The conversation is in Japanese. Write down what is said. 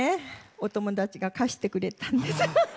お友達が貸してくれたんです。